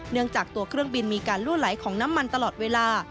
จากตัวเครื่องบินมีการลั่วไหลของน้ำมันตลอดเวลา